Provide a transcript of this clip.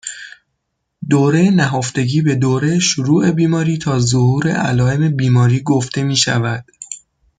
دوره نهفتگی به دوره شروع بیماری تا ظهور علایم بیماری گفته میشود